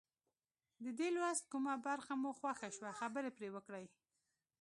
د دې لوست کومه برخه مو خوښه شوه خبرې پرې وکړئ.